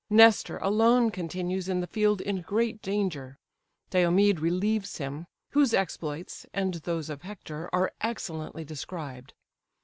Nestor alone continues in the field in great danger: Diomed relieves him; whose exploits, and those of Hector, are excellently described.